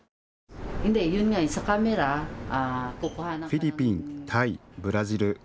フィリピン、タイ、ブラジル。